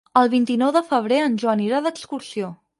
El vint-i-nou de febrer en Joan irà d'excursió.